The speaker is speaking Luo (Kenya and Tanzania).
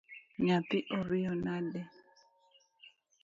Nyathi oriyo nade?